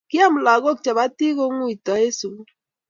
Kiam lagook chapatik kingoitu eng sugul